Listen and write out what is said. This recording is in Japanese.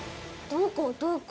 どこ？